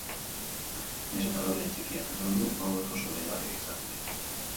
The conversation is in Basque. Nahiz eta lore txikiak azaldu, hauek oso deigarriak izaten dira.